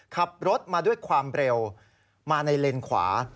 ขับรถมาด้วยความเร็วมาในเลนขวา